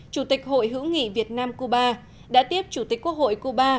chủ tịch hội hữu nghị việt nam cuba đã tiếp chủ tịch quốc hội cuba